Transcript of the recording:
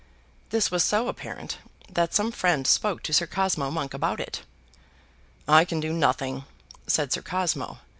This was so apparent that some friend spoke to Sir Cosmo Monk about it. "I can do nothing," said Sir Cosmo.